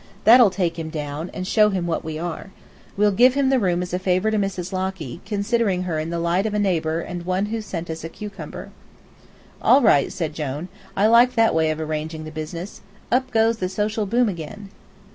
That'll take him down, and show him what we are. We'll give him the room as a favor to Mrs. Locky, considering her in the light of a neighbor and one who sent us a cucumber." "All right," said Jone, "I like that way of arranging the business. Up goes the social boom again!"